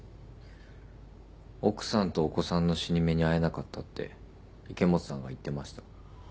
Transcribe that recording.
奥さんとお子さんの死に目に会えなかったって池本さんが言ってました。